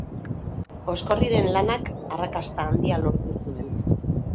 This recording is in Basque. Oskorriren lanak arrakasta handia lortu zuen.